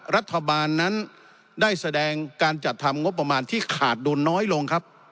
รัฐบาลนั้นได้แสดงการจัดทำงบประมาณที่ขาดดุลน้อยลงครับ